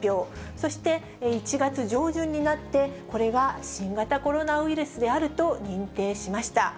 そして１月上旬になって、これが新型コロナウイルスであると認定しました。